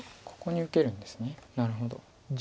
ここに受けるんですねなるほど。